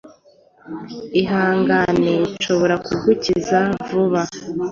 Ihangane nshobora kugukiza vuna